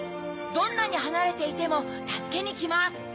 どんなにはなれていてもたすけにきます！